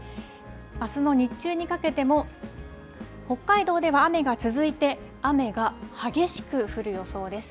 あすの日中にかけても北海道では雨が続いて雨が激しく降る予想です。